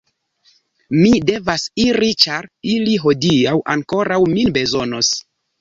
Mi devas iri ĉar ili hodiaŭ ankoraŭ min bezonos.